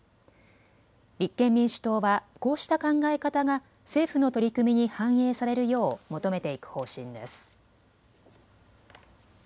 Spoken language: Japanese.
立憲民主党はこうした考え方が政府の取り組みに反映されるよう求めていく方針です。